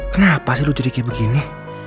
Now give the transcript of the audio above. kenapa sih lo jadi kayak begini